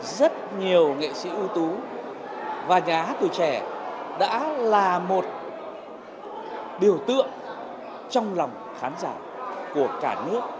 rất nhiều nghệ sĩ ưu tú và nhà hát tuổi trẻ đã là một biểu tượng trong lòng khán giả của cả nước